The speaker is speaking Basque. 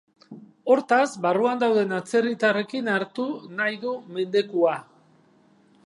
Hortaz, barruan dauden atzerritarrekin hartu nahi du mendekua.